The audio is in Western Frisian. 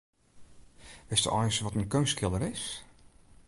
Witsto eins wat in keunstskilder is?